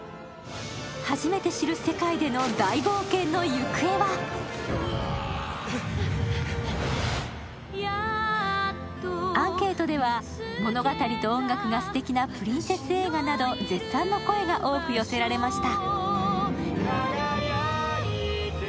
初めて知る世界での大冒険の行方はアンケートでは物語と音楽がすてきなプリンセス映画など絶賛の声が多く寄せられました。